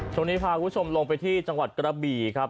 ช่วงนี้พาคุณผู้ชมลงไปที่จังหวัดกระบี่ครับ